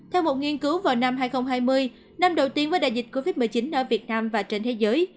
theo một nghiên cứu vào năm hai nghìn hai mươi năm đầu tiên với đại dịch covid một mươi chín ở việt nam và trên thế giới